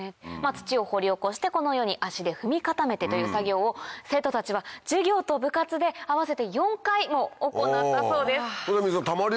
土を掘り起こしてこのように足で踏み固めてという作業を生徒たちは授業と部活で合わせて４回も行ったそうです。